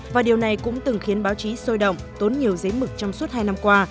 và điều này cũng từng khiến báo chí sôi động tốn nhiều giấy mực trong suốt hai năm qua